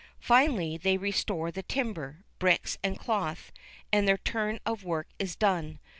Finally, they restore the timber, bricks and cloth, and their turn of work is done.